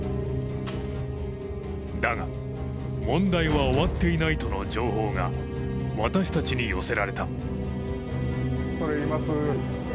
だが問題は終わっていないとの情報が私たちに寄せられた。